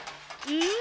うん？